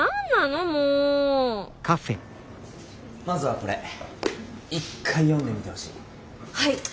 まずはこれ一回読んでみてほしい。